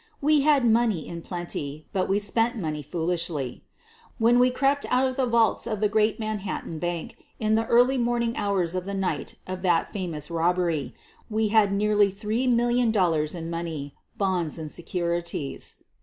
We had money in plenty, but we spent money foolishly. When we crept out of the vaults of the great Manhattan Bank in the early morning hours of the night of that fa f mous robbery, we had nearly $3,000,000 in money,' bonds and securities.